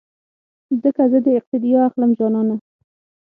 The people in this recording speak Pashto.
ځکه زه دې اقتیدا اخلم جانانه